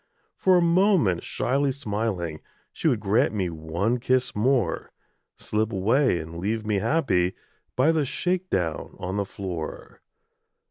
For a moment shyly smiling, She would grant me one kiss more Slip away and leave me happy By the shake down on the floor.